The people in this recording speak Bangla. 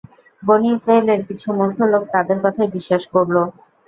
বনী ইসরাঈলের কিছু মূর্খ লোক তাদের কথায় বিশ্বাস করল।